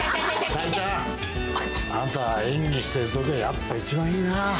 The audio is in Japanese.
大ちゃんあんた演技してるときがやっぱ一番いいな。